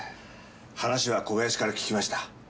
話は小林から聞きました。